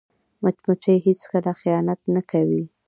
مچمچۍ هیڅکله خیانت نه کوي